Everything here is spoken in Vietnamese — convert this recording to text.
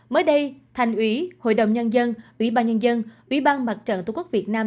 mới đây thành ủy hội đồng nhân dân ủy ban nhân dân ủy ban mặt trận tổ quốc việt nam